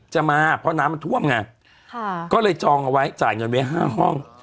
จะมาเพราะน้ำมันท่วมไงก็เลยจองเอาไว้จ่ายเงินไว้๕ห้อง